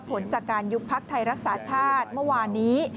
ผลจากการยุบพักไทยรักษาชาติเมื่อวานนี้